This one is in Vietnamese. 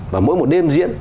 và mỗi một đêm diễn